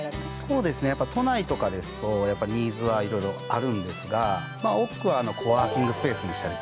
そうですねやっぱ都内とかですとニーズはいろいろあるんですが多くはコワーキングスペースにしたりとか。